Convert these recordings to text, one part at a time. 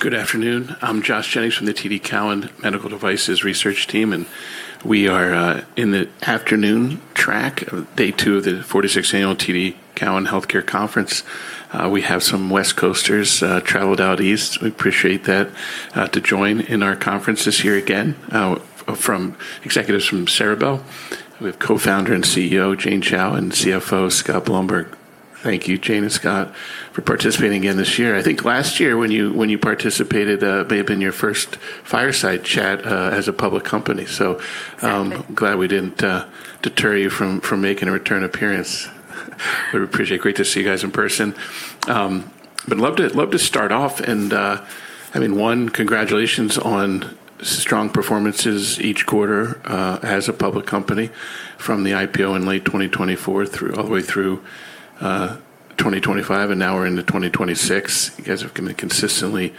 Good afternoon. I'm Josh Jennings from the TD Cowen Medical Devices Research Team. We are in the afternoon track of day 2 of the 46th annual TD Cowen Healthcare Conference. We have some West Coasters traveled out East, we appreciate that, to join in our conference this year again, from executives from Ceribell. We have Co-Founder and CEO, Jane Chao, and CFO, Scott Blumberg. Thank you, Jane and Scott, for participating again this year. I think last year when you participated, may have been your first fireside chat as a public company. Exactly. Glad we didn't deter you from making a return appearance. We appreciate. Great to see you guys in person. Love to, love to start off and, I mean, one, congratulations on strong performances each quarter, as a public company from the IPO in late 2024 all the way through 2025, and now we're into 2026. You guys have been consistently,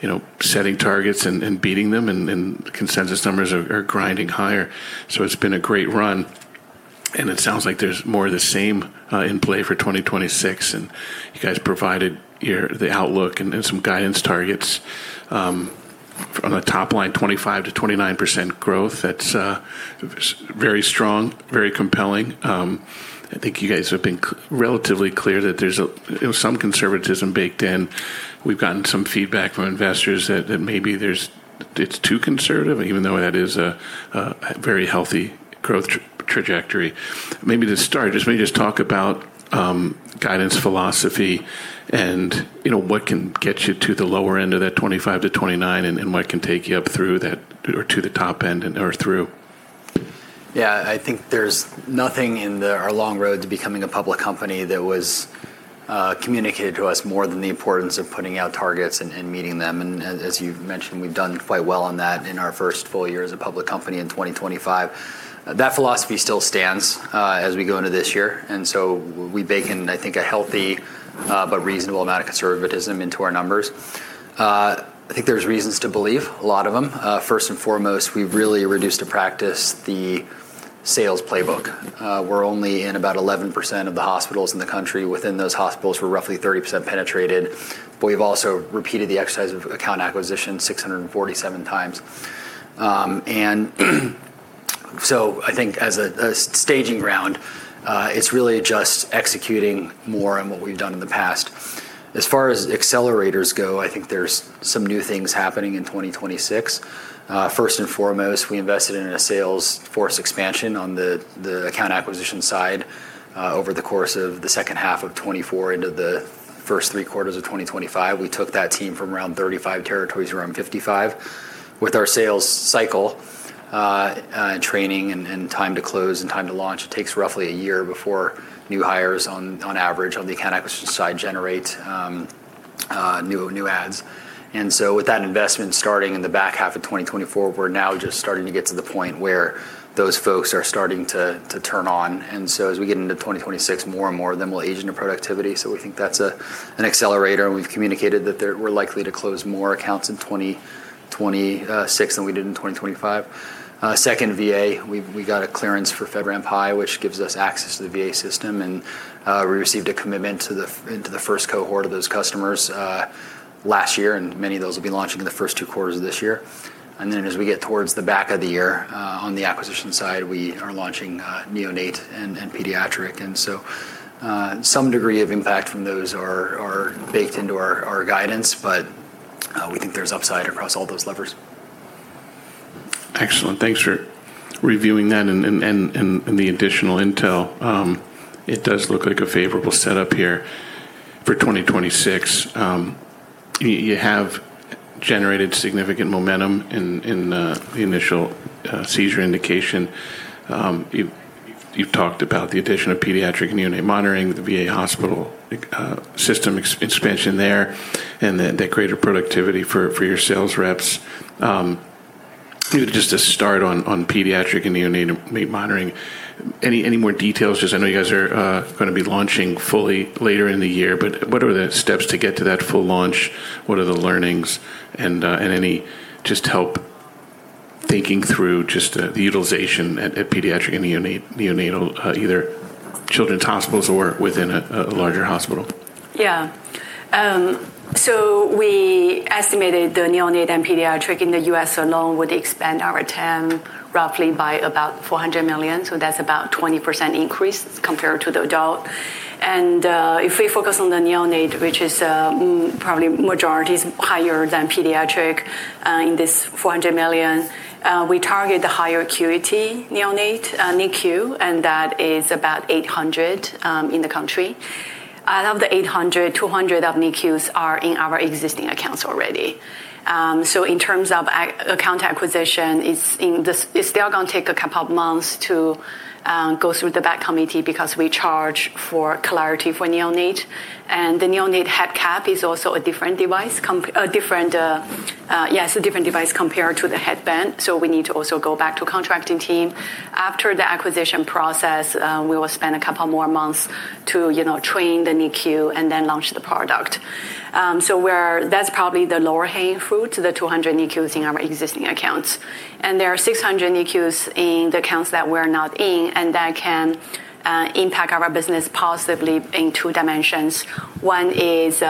you know, setting targets and beating them and the consensus numbers are grinding higher. It's been a great run, and it sounds like there's more of the same in play for 2026. You guys provided your the outlook and some guidance targets, on a top line 25%-29% growth. That's very strong, very compelling. I think you guys have been relatively clear that there's a, you know, some conservatism baked in. We've gotten some feedback from investors that maybe there's it's too conservative, even though that is a, a very healthy growth trajectory. Maybe to start, maybe just talk about guidance philosophy and, you know, what can get you to the lower end of that 25%-29%, and what can take you up through that or to the top end or through. Yeah. I think there's nothing in our long road to becoming a public company that was communicated to us more than the importance of putting out targets and meeting them. As you've mentioned, we've done quite well on that in our first full year as a public company in 2025. That philosophy still stands as we go into this year, we bake in, I think, a healthy but reasonable amount of conservatism into our numbers. I think there's reasons to believe, a lot of them. First and foremost, we've really reduced to practice the sales playbook. We're only in about 11% of the hospitals in the country. Within those hospitals, we're roughly 30% penetrated. We've also repeated the exercise of account acquisition 647 times. I think as a staging ground, it's really just executing more on what we've done in the past. As far as accelerators go, I think there's some new things happening in 2026. First and foremost, we invested in a sales force expansion on the account acquisition side. Over the course of the second half of 2024 into the first three quarters of 2025, we took that team from around 35 territories to around 55. With our sales cycle, training and time to close and time to launch, it takes roughly one year before new hires on average on the account acquisition side generate new adds. With that investment starting in the back half of 2024, we're now just starting to get to the point where those folks are starting to turn on. As we get into 2026, more and more of them will age into productivity. We think that's an accelerator, and we've communicated that we're likely to close more accounts in 2026 than we did in 2025. Second VA, we got a clearance for FedRAMP High, which gives us access to the VA system, and we received a commitment into the first cohort of those customers last year, and many of those will be launching in the first two quarters of this year. As we get towards the back of the year, on the acquisition side, we are launching neonate and pediatric. Some degree of impact from those are baked into our guidance, but we think there's upside across all those levers. Excellent. Thanks for reviewing that and the additional intel. It does look like a favorable setup here for 2026. You have generated significant momentum in the initial seizure indication. You've talked about the addition of pediatric and neonate monitoring with the VA hospital system expansion there, and that greater productivity for your sales reps. Just to start on pediatric and neonate monitoring, any more details? Just I know you guys are gonna be launching fully later in the year, what are the steps to get to that full launch? What are the learnings and any just help thinking through just the utilization at pediatric and neonatal, either children's hospitals or within a larger hospital? Yeah. We estimated the neonate and pediatric in the U.S. alone would expand our TAM roughly by about $400 million. That's about 20% increase compared to the adult. If we focus on the neonate, which is probably majority is higher than pediatric, in this $400 million, we target the higher acuity neonate NICU, and that is about 800 in the country. Out of the 800, 200 of NICUs are in our existing accounts already. So in terms of account acquisition, it's still gonna take a couple of months to go through the back committee because we charge for Clarity for neonate. The neonate head cap is also a different device, a different, yeah, it's a different device compared to the headband. We need to also go back to contracting team. After the acquisition process, we will spend a couple more months to, you know, train the NICU and then launch the product. That's probably the lower hanging fruit to the 200 NICUs in our existing accounts. There are 600 NICUs in the accounts that we're not in, and that can impact our business positively in 2 dimensions. One is,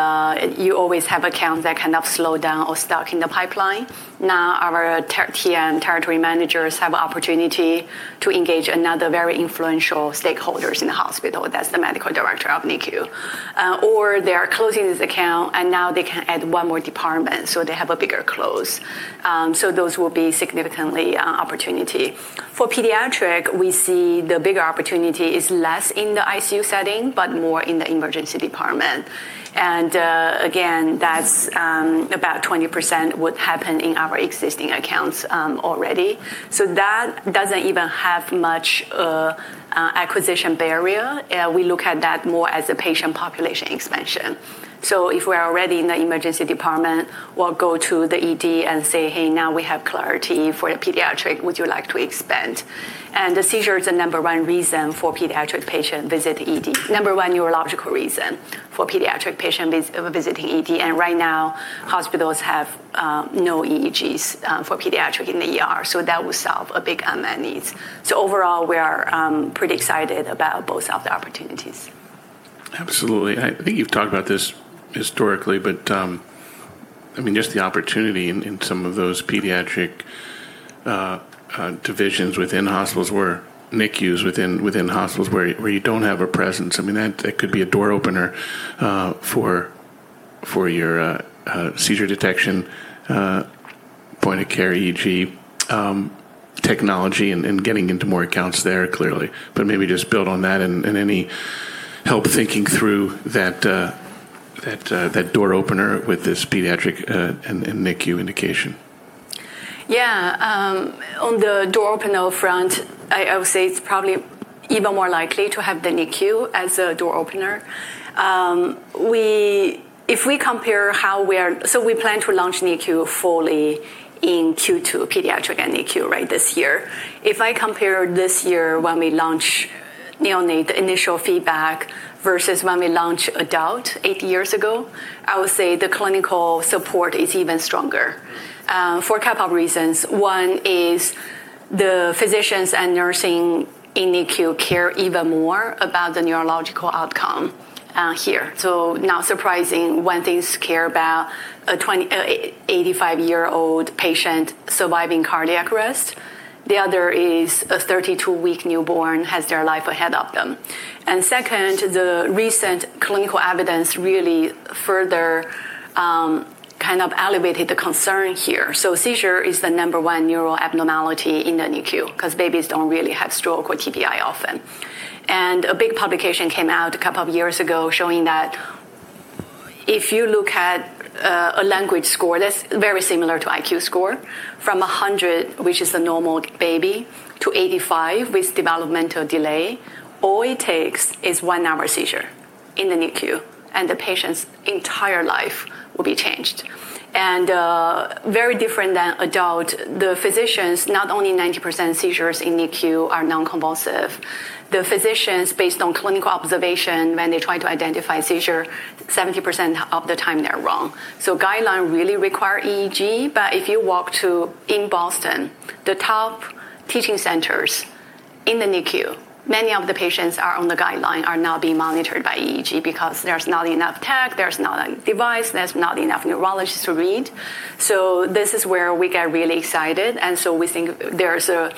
you always have accounts that kind of slow down or stuck in the pipeline. Now our TM, Territory Managers, have opportunity to engage another very influential stakeholders in the hospital. That's the medical director of NICU. They are closing this account, and now they can add 1 more department, so they have a bigger close. Those will be significantly, opportunity. For pediatric, we see the bigger opportunity is less in the ICU setting, but more in the emergency department. Again, that's about 20% what happened in our existing accounts already. That doesn't even have much acquisition barrier. We look at that more as a patient population expansion. If we're already in the emergency department, we'll go to the ED and say, "Hey, now we have Clarity for the pediatric. Would you like to expand?" The seizure is the number one reason for pediatric patient visit ED. Number one neurological reason for pediatric patient visiting ED. Right now, hospitals have no EEGs for pediatric in the ED. That will solve a big unmet needs. Overall, we are pretty excited about both of the opportunities. Absolutely. I think you've talked about this historically, but, I mean, just the opportunity in some of those pediatric divisions within hospitals where NICUs within hospitals where you don't have a presence. I mean, that could be a door opener for your seizure detection point-of-care EEG technology and getting into more accounts there, clearly. Maybe just build on that and any help thinking through that door opener with this pediatric and NICU indication. Yeah. On the door opener front, I would say it's probably even more likely to have the NICU as a door opener. We plan to launch NICU fully in Q2 pediatric and NICU, right, this year. If I compare this year when we launch neonatal, the initial feedback, versus when we launch adult eight years ago, I would say the clinical support is even stronger for a couple of reasons. One is the physicians and nursing in NICU care even more about the neurological outcome here. Not surprising when they care about a 85-year-old patient surviving cardiac arrest. The other is a 32-week newborn has their life ahead of them. Second, the recent clinical evidence really further kind of elevated the concern here. Seizure is the number 1 neuro abnormality in the NICU, 'cause babies don't really have stroke or TBI often. A big publication came out a couple of years ago showing that if you look at a language score that's very similar to IQ score, from 100, which is a normal baby, to 85 with developmental delay, all it takes is one-hour seizure in the NICU, and the patient's entire life will be changed. Very different than adult, the physicians, not only 90% seizures in NICU are non-convulsive. The physicians, based on clinical observation when they try to identify seizure, 70% of the time they're wrong. Guideline really require EEG. If you walk to, in Boston, the top teaching centers in the NICU, many of the patients are on the guideline are now being monitored by EEG because there's not enough tech, there's not enough device, there's not enough neurologists to read. This is where we get really excited, and so we think there is a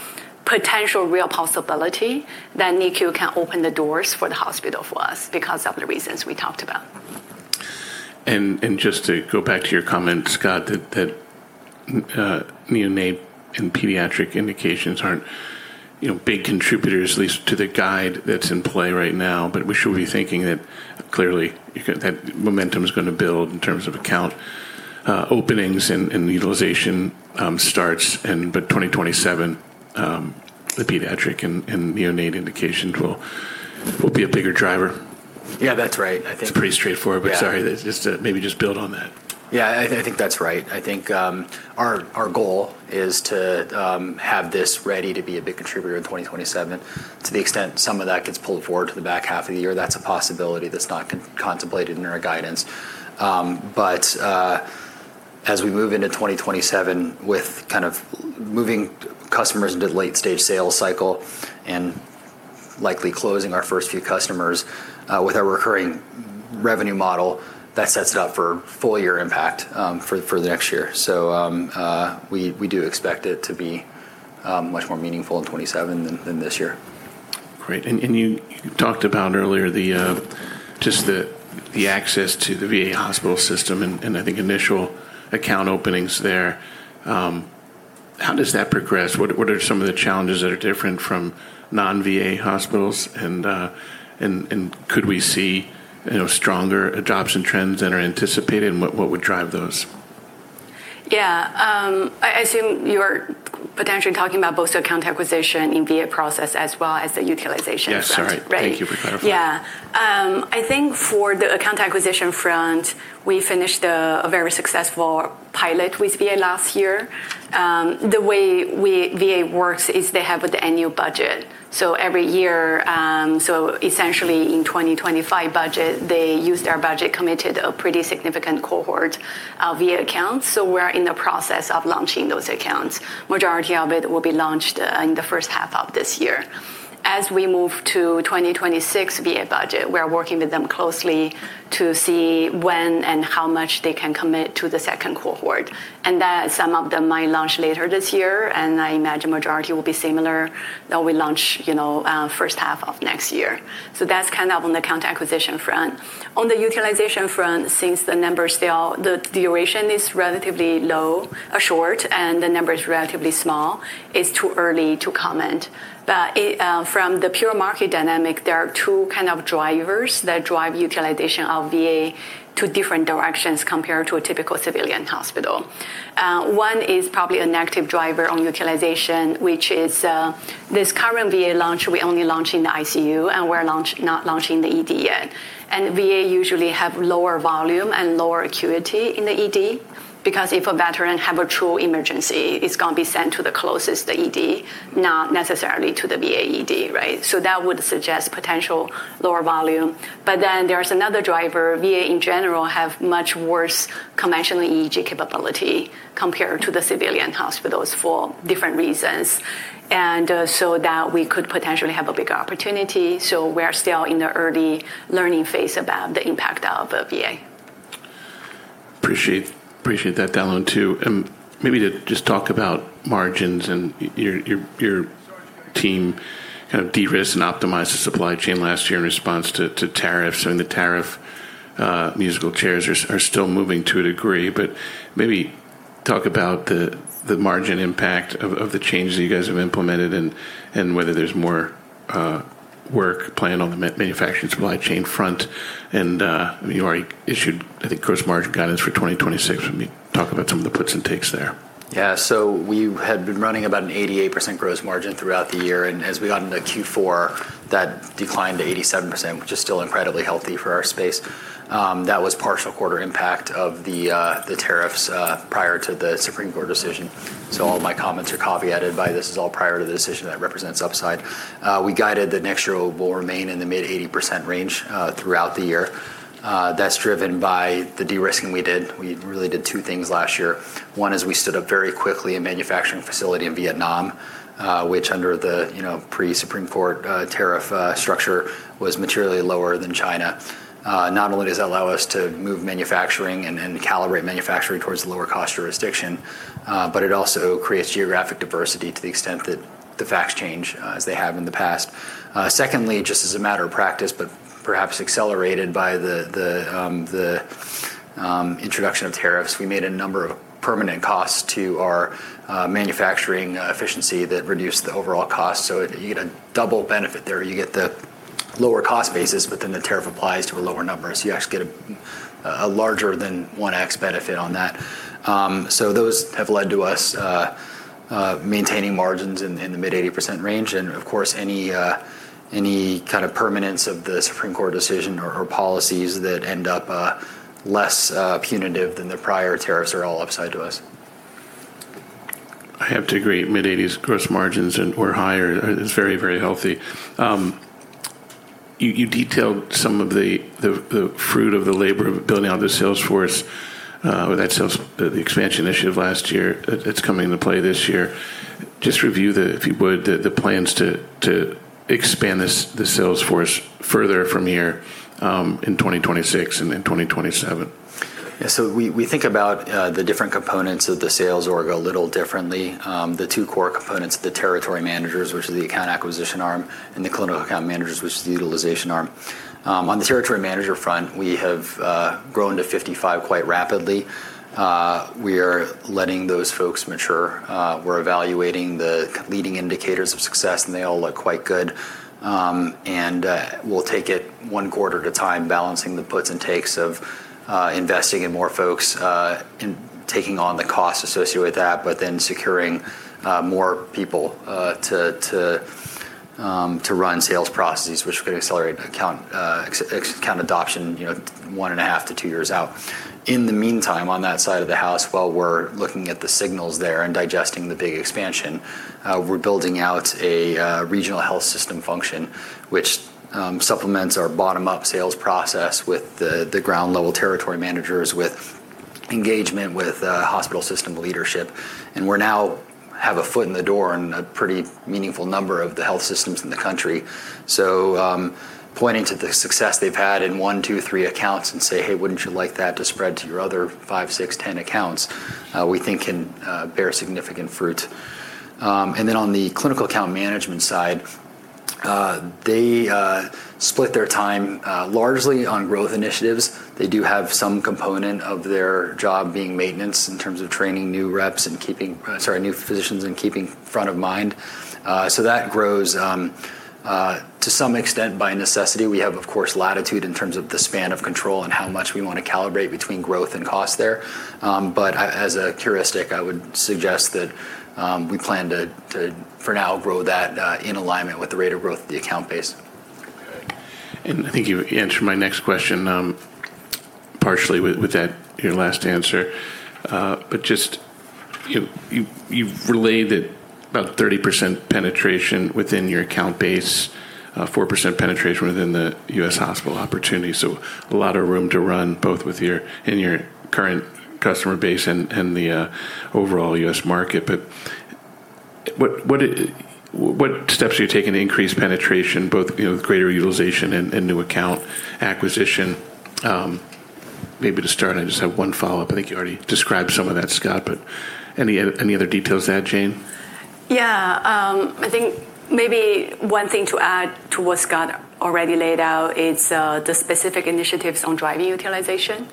potential real possibility that NICU can open the doors for the hospital for us because of the reasons we talked about. Just to go back to your comment, Scott, that neonatal and pediatric indications aren't, you know, big contributors, at least to the guide that's in play right now. We should be thinking that clearly momentum is gonna build in terms of account openings and utilization starts and by 2027, the pediatric and neonatal indications will be a bigger driver. Yeah, that's right. It's pretty straightforward. Yeah. Sorry, just to maybe just build on that. Yeah, I think that's right. I think, our goal is to, have this ready to be a big contributor in 2027. To the extent some of that gets pulled forward to the back half of the year, that's a possibility that's not contemplated in our guidance. As we move into 2027 with kind of moving customers into the late stage sales cycle and likely closing our first few customers, with our recurring revenue model, that sets it up for full year impact, for the next year. We, we do expect it to be, much more meaningful in 2027 than this year. Great. You talked about earlier just the access to the VA hospital system and I think initial account openings there. How does that progress? What are some of the challenges that are different from non-VA hospitals and could we see, you know, stronger adoption trends than are anticipated? What would drive those? Yeah. I assume you are potentially talking about both the account acquisition in VA process as well as the utilization front. Yes. Sorry. Right. Thank you for clarifying. I think for the account acquisition front, we finished a very successful pilot with VA last year. The way VA works is they have the annual budget. Every year, essentially in 2025 budget, they used their budget, committed a pretty significant cohort of VA accounts. We're in the process of launching those accounts. Majority of it will be launched in the first half of this year. As we move to 2026 VA budget, we are working with them closely to see when and how much they can commit to the second cohort. Some of them might launch later this year, and I imagine majority will be similar. They will launch, you know, first half of next year. That's kind of on the account acquisition front. On the utilization front, since the numbers, the duration is relatively low or short and the number is relatively small, it's too early to comment. From the pure market dynamic, there are two kind of drivers that drive utilization of VA to different directions compared to a typical civilian hospital. One is probably a negative driver on utilization, which is, this current VA launch, we're only launching the ICU, and we're not launching the ED yet. VA usually have lower volume and lower acuity in the ED, because if a veteran have a true emergency, it's gonna be sent to the closest ED, not necessarily to the VA ED, right? That would suggest potential lower volume. There's another driver. VA in general have much worse conventional EEG capability compared to the civilian hospitals for different reasons. that we could potentially have a bigger opportunity. We're still in the early learning phase about the impact of the VA. Appreciate that, Danielle Antalffy, too. Maybe to just talk about margins and your team kind of de-risked and optimized the supply chain last year in response to tariffs, and the tariff musical chairs are still moving to a degree. Maybe talk about the margin impact of the changes that you guys have implemented and whether there's more work planned on the manufacturing supply chain front. You already issued, I think, gross margin guidance for 2026. Maybe talk about some of the puts and takes there. We had been running about an 88% gross margin throughout the year, and as we got into Q4, that declined to 87%, which is still incredibly healthy for our space. That was partial quarter impact of the tariffs prior to the Supreme Court decision. All my comments are copy edited by this. It's all prior to the decision that represents upside. We guided that next year will remain in the mid 80% range throughout the year. That's driven by the de-risking we did. We really did two things last year. One is we stood up very quickly a manufacturing facility in Vietnam, which under the, you know, pre-Supreme Court tariff structure was materially lower than China. Not only does that allow us to move manufacturing and calibrate manufacturing towards lower cost jurisdiction, but it also creates geographic diversity to the extent that the facts change as they have in the past. Secondly, just as a matter of practice, but perhaps accelerated by the introduction of tariffs, we made a number of permanent costs to our manufacturing efficiency that reduced the overall cost. You get a double benefit there. You get the lower cost basis, the tariff applies to a lower number, you actually get a larger than 1x benefit on that. Those have led to us maintaining margins in the mid 80% range. Of course, any any kind of permanence of the Supreme Court decision or policies that end up less punitive than the prior tariffs are all upside to us. I have to agree. Mid-80s gross margins and or higher is very, very healthy. You detailed some of the fruit of the labor of building out the sales force, or that sales the expansion initiative last year. It's coming into play this year. Just review the, if you would, the plans to expand this the sales force further from here, in 2026 and in 2027. Yeah. We think about the different components of the sales org a little differently. The two core components, the Territory Managers, which is the account acquisition arm, and the Clinical Account Managers, which is the utilization arm. On the Territory Manager front, we have grown to 55 quite rapidly. We are letting those folks mature. We're evaluating the leading indicators of success, and they all look quite good. We'll take it one quarter at a time, balancing the puts and takes of investing in more folks, and taking on the costs associated with that, but then securing more people to run sales processes, which could accelerate account adoption, you know, 1.5-2 years out. In the meantime, on that side of the house, while we're looking at the signals there and digesting the big expansion, we're building out a regional health system function, which supplements our bottom-up sales process with the ground level Territory Managers with engagement with hospital system leadership. We now have a foot in the door in a pretty meaningful number of the health systems in the country. Pointing to the success they've had in 1, 2, 3 accounts and say, "Hey, wouldn't you like that to spread to your other 5, 6, 10 accounts?" we think can bear significant fruit. On the clinical account management side, they split their time largely on growth initiatives. They do have some component of their job being maintenance in terms of training new reps and keeping new physicians and keeping front of mind. That grows to some extent by necessity. We have, of course, latitude in terms of the span of control and how much we wanna calibrate between growth and cost there. As a heuristic, I would suggest that we plan to for now grow that in alignment with the rate of growth of the account base. Okay. I think you answered my next question partially with that, your last answer. Just you've relayed that about 30% penetration within your account base, 4% penetration within the U.S. hospital opportunity. A lot of room to run both in your current customer base and the overall U.S. market. What steps are you taking to increase penetration both, you know, with greater utilization and new account acquisition? Maybe to start, I just have one follow-up. I think you already described some of that, Scott, but any other details to add, Jane? Yeah. I think maybe one thing to add to what Scott already laid out is the specific initiatives on driving utilization.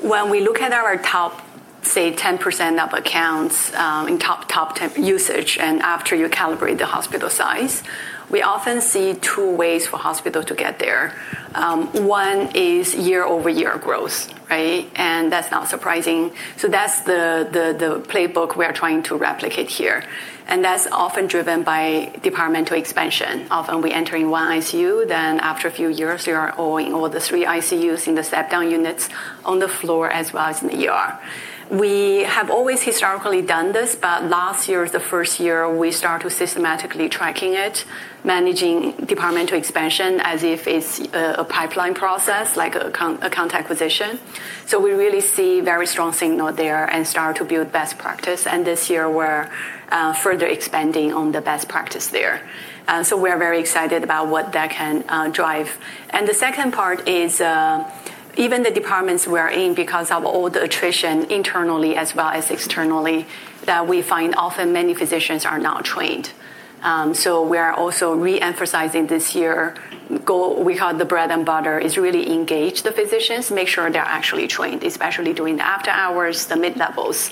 When we look at our top, say, 10% of accounts, in top 10 usage, after you calibrate the hospital size, we often see Two ways for hospital to get there. One is year-over-year growth, right? That's not surprising. That's the playbook we are trying to replicate here, That's often driven by departmental expansion. Often we enter in 1 ICU, After a few years, we are owning all the 3 ICUs in the step-down units on the floor, as well as in the ER. We have always historically done this, Last year is the first year we start systematically tracking it, managing departmental expansion as if it's a pipeline process like account acquisition. We really see very strong signal there and start to build best practice, and this year we're further expanding on the best practice there. We're very excited about what that can drive. The second part is even the departments we're in because of all the attrition internally as well as externally, that we find often many physicians are not trained. We are also re-emphasizing this year goal we call the bread and butter is really engage the physicians, make sure they're actually trained, especially during the after-hours, the mid-levels.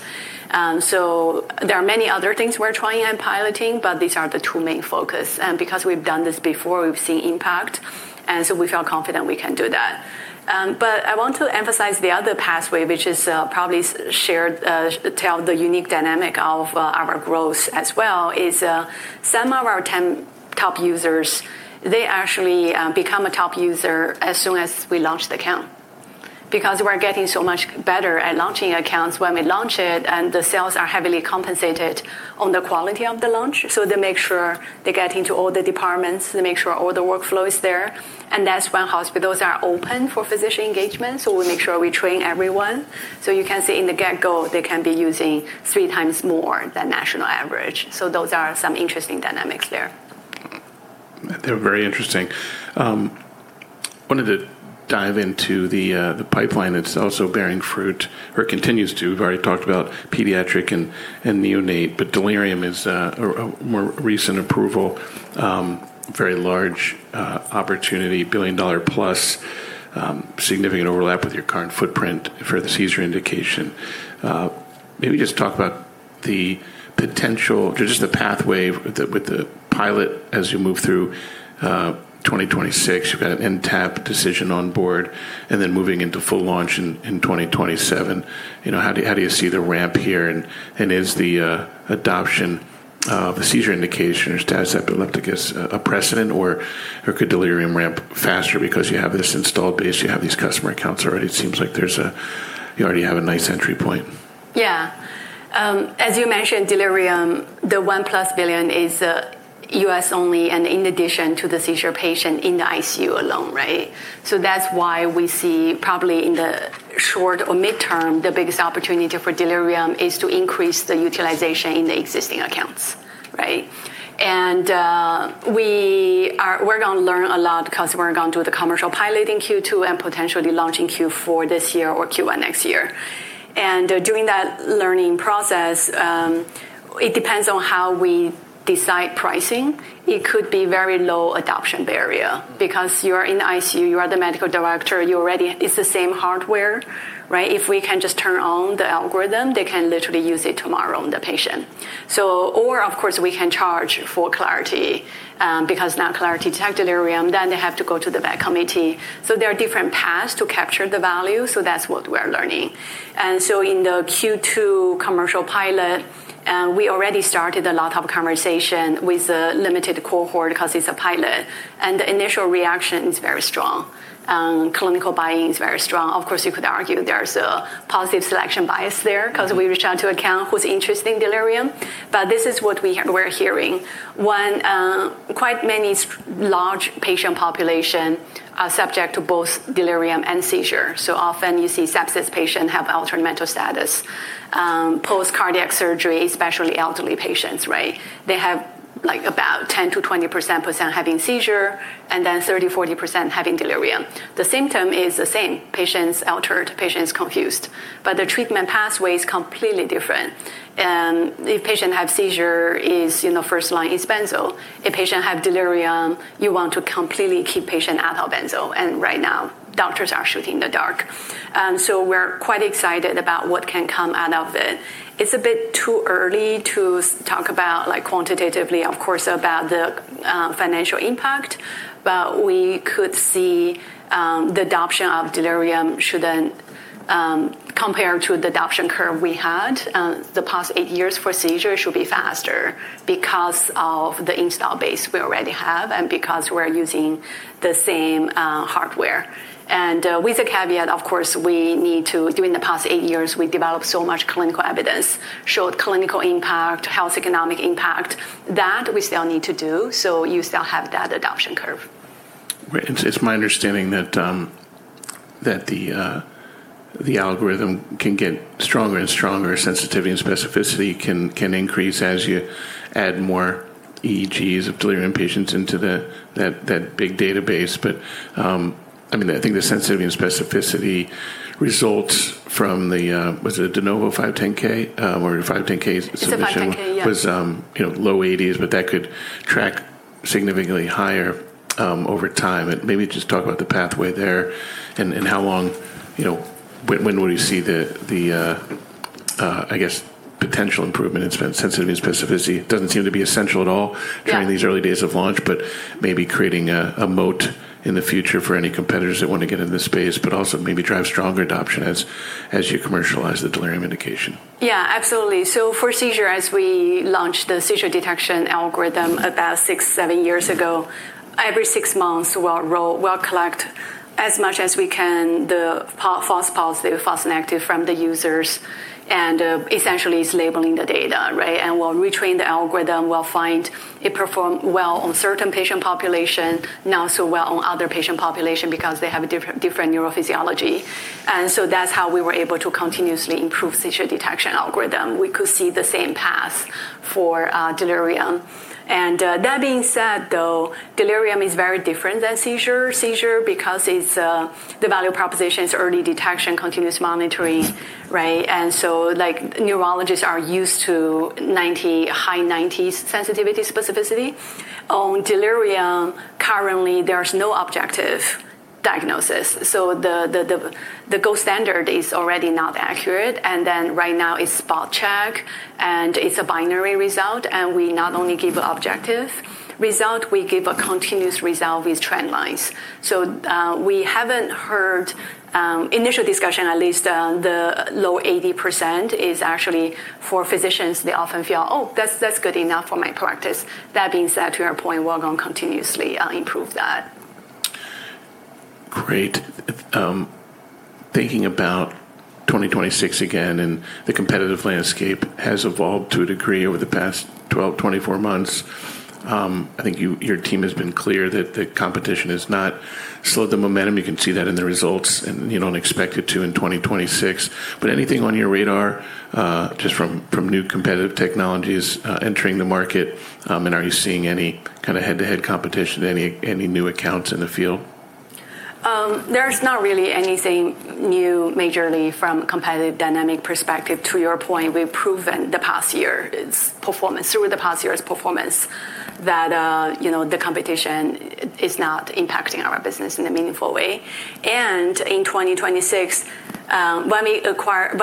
There are many other things we're trying and piloting, but these are the two main focus. Because we've done this before, we've seen impact, and so we feel confident we can do that. I want to emphasize the other pathway, which is, probably tell the unique dynamic of our growth as well, is, some of our 10 top users, they actually become a top user as soon as we launch the account. We're getting so much better at launching accounts when we launch it, and the sales are heavily compensated on the quality of the launch, so they make sure they get into all the departments, they make sure all the workflow is there. That's when hospitals are open for physician engagement, so we make sure we train everyone. You can see in the get-go, they can be using three times more than national average. Those are some interesting dynamics there. They're very interesting. Wanted to dive into the pipeline that's also bearing fruit or continues to. We've already talked about pediatric and neonate, but delirium is a more recent approval, very large opportunity, $1+ billion, significant overlap with your current footprint for the seizure indication. Maybe just talk about just the pathway with the pilot as you move through 2026. You've got an NTAP decision on board and then moving into full launch in 2027. You know, how do you see the ramp here? Is the adoption of the seizure indication or status epilepticus a precedent or could delirium ramp faster because you have this installed base, you have these customer accounts already? It seems like there's a-- you already have a nice entry point. As you mentioned, delirium, the $1+ billion is U.S. only and in addition to the seizure patient in the ICU alone, right? That's why we see probably in the short or midterm, the biggest opportunity for delirium is to increase the utilization in the existing accounts, right? We're gonna learn a lot 'cause we're gonna do the commercial pilot in Q2 and potentially launch in Q4 this year or Q1 next year. Doing that learning process, it depends on how we decide pricing. It could be very low adoption barrier because you're in the ICU, you are the medical director, you already... It's the same hardware, right? If we can just turn on the algorithm, they can literally use it tomorrow on the patient. Or of course, we can charge for Clarity, because now Clarity detect delirium, then they have to go to the VAC Committee. There are different paths to capture the value, so that's what we are learning. In the Q2 commercial pilot, we already started a lot of conversation with a limited cohort 'cause it's a pilot, and the initial reaction is very strong. Clinical buy-in is very strong. Of course, you could argue there's a positive selection bias there 'cause we reached out to account who's interested in delirium, but this is what we're hearing. One, quite many large patient population are subject to both delirium and seizure. Often you see sepsis patient have altered mental status, post cardiac surgery, especially elderly patients, right? They have 10%-20% having seizure and then 30%, 40% having delirium. The symptom is the same, patient's altered, patient is confused, but the treatment pathway is completely different. If patient have seizure is, you know, first line is benzo. If patient have delirium, you want to completely keep patient out of benzo. Right now, doctors are shooting in the dark. We're quite excited about what can come out of it. It's a bit too early to talk about, like, quantitatively, of course, about the financial impact. We could see the adoption of delirium shouldn't, compared to the adoption curve we had the past eight years for seizure should be faster because of the install base we already have and because we're using the same hardware. With the caveat, of course, during the past eight years, we developed so much clinical evidence, showed clinical impact, health economic impact. That we still need to do, so you still have that adoption curve. Right. It's, it's my understanding that the algorithm can get stronger and stronger, sensitivity and specificity can increase as you add more EEGs of delirium patients into that big database. I mean, I think the sensitivity and specificity results from the, was it a De Novo 510(k), or your 510(k)? It's a 510(k), yeah. was, you know, low 80s, but that could track significantly higher over time. Maybe just talk about the pathway there and how long, you know, when would we see the potential improvement in sensitivity and specificity? It doesn't seem to be essential at all. Yeah. during these early days of launch, but maybe creating a moat in the future for any competitors that wanna get in this space, but also maybe drive stronger adoption as you commercialize the delirium indication. Absolutely. For seizure, as we launched the seizure detection algorithm about six, seven years ago, every six months, we'll collect as much as we can, the false positive, false negative from the users, and essentially it's labeling the data, right? We'll retrain the algorithm. We'll find it performed well on certain patient population, not so well on other patient population because they have a different neurophysiology. That's how we were able to continuously improve seizure detection algorithm. We could see the same path for delirium. That being said, though, delirium is very different than seizure because it's the value proposition is early detection, continuous monitoring, right? Like, neurologists are used to 90, high 90s sensitivity, specificity. On delirium, currently, there's no objective diagnosis. The gold standard is already not accurate. Right now it's spot check, it's a binary result. We not only give objective result, we give a continuous result with trend lines. We haven't heard initial discussion, at least, the low 80% is actually for physicians. They often feel, "Oh, that's good enough for my practice." That being said, to your point, we're gonna continuously improve that. Great. Thinking about 2026 again, and the competitive landscape has evolved to a degree over the past 12, 24 months. I think your team has been clear that the competition has not slowed the momentum. You can see that in the results and you don't expect it to in 2026. Anything on your radar, just from new competitive technologies, entering the market, and are you seeing any kinda head-to-head competition, any new accounts in the field? There's not really anything new majorly from competitive dynamic perspective. To your point, we've proven through the past year's performance that, you know, the competition is not impacting our business in a meaningful way. In 2026, when we have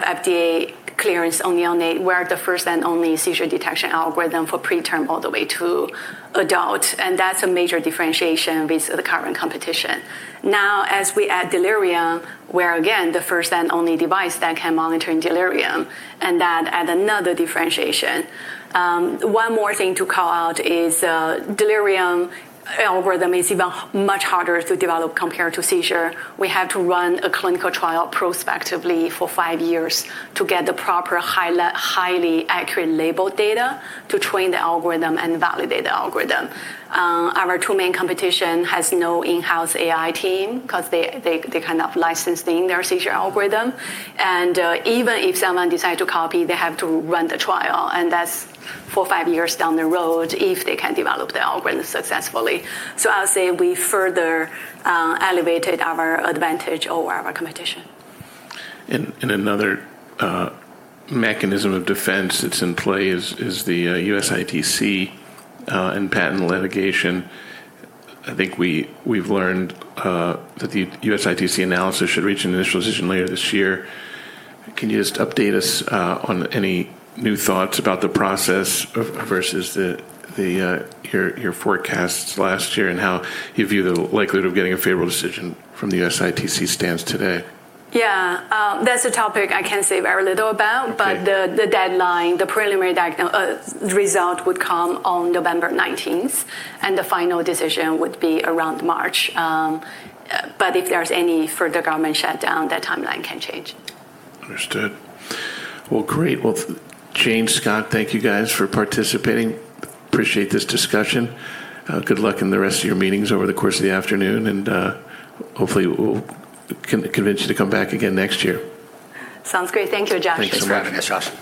FDA clearance on neonatal, we're the first and only seizure detection algorithm for preterm all the way to adult, and that's a major differentiation with the current competition. As we add delirium, we're again the first and only device that can monitor delirium, and that add another differentiation. One more thing to call out is, delirium algorithm is even much harder to develop compared to seizure. We have to run a clinical trial prospectively for five years to get the proper highly accurate labeled data to train the algorithm and validate the algorithm. Our two main competition has no in-house AI team 'cause they kind of licensed in their seizure algorithm. Even if someone decide to copy, they have to run the trial, and that's 4, 5 years down the road if they can develop the algorithm successfully. I'll say we further elevated our advantage over our competition. another mechanism of defense that's in play is the USITC and patent litigation. I think we've learned that the USITC analysis should reach an initial decision later this year. Can you just update us on any new thoughts about the process versus the your forecasts last year and how you view the likelihood of getting a favorable decision from the USITC stance today? Yeah. That's a topic I can say very little about. Okay. The deadline, the preliminary result would come on November nineteenth. The final decision would be around March. If there's any further government shutdown, that timeline can change. Understood. Well, great. Well, Jane, Scott, thank you guys for participating. Appreciate this discussion. Good luck in the rest of your meetings over the course of the afternoon, and hopefully we'll convince you to come back again next year. Sounds great. Thank you, Josh. Thanks for having us, Josh.